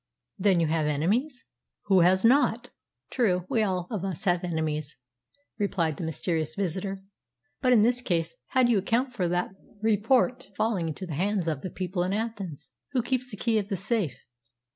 "Then you have enemies?" "Who has not?" "True. We all of us have enemies," replied the mysterious visitor. "But in this case, how do you account for that report falling into the hands of the people in Athens? Who keeps the key of the safe?"